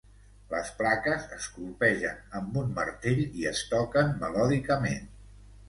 Les plaques es colpegen amb un martell i es toquen melòdicament.